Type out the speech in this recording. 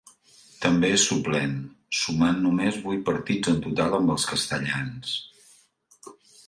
També és suplent, sumant només vuit partits en total amb els castellans.